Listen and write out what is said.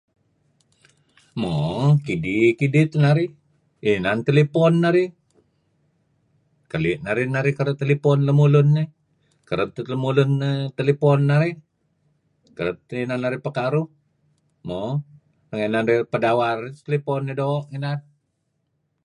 Mo kidih kidih teh narih inan telephone narih keli' narih narih kereb telephone lemulun iih. Kereb teh lemulun telephone narih kereb teh inan narih pekaruh. Moo' ranga' narih pedawar tephone dih doo' ngineh.